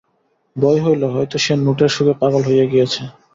ভয় হইল, হয়তো সে নোটের শোকে পাগল হইয়া গিয়াছে।